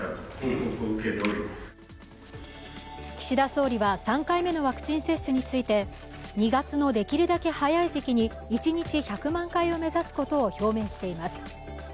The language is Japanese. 岸田総理は３回目のワクチン接種について２月のできるだけ早い時期に一日１００万回を目指すことを表明しています。